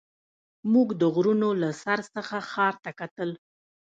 موږ د غرونو له سر څخه ښار ته کتل.